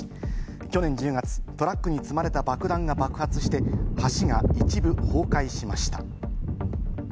去年１０月、トラックに積まれた爆弾が爆発して橋が一部崩壊しました。